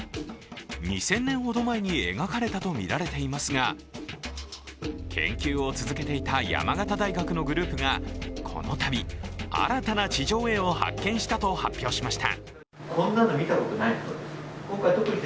２０００年ほど前に描かれたとみられていますが研究を続けていた山形大学のグループがこの度新たな地上絵を発見したと発表しました。